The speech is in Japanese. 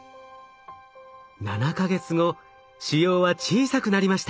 ７か月後腫瘍は小さくなりました。